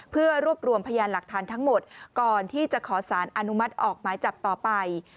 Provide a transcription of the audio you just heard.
เพื่อรวบรวมพยานหลักฐานทั้งหมดก่อนที่จะขอสารอนุมัติออกหมายจับต่อไป